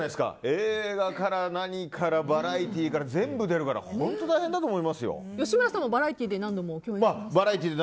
映画から何からバラエティーから全部、出るから吉村さんはバラエティーで。